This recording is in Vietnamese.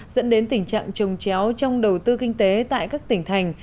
dẫn đến tình trạng trồng chéo trong đầu tư kinh tế tại các tỉnh thành